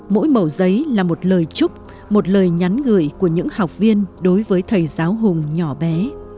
mỗi màu giấy là một lời chúc một lời nhắn gửi của những học viên đối với thầy giáo hùng nhỏ bé